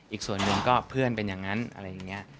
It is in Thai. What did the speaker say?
อีกส่วนหนึ่งก็เพื่อนเป็นอย่างนั้นอะไรอย่างนี้